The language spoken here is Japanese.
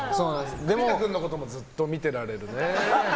栗田君のこともずっと見てられるね。